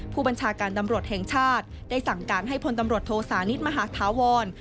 ผู้บัญชาการตำรวจแห่งชาติได้สั่งการให้พลตำรวจโทสานิทมหาธาวร